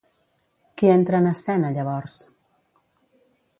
Qui entra en escena, llavors?